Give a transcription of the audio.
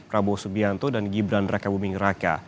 prabowo subianto dan gibran raka buming raka